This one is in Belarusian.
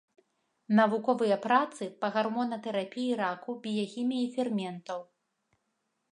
Навуковыя працы па гармонатэрапіі раку, біяхіміі ферментаў.